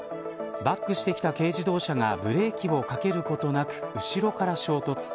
バックしてきた軽自動車がブレーキをかけることなく後ろから衝突。